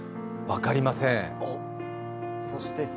分かりません。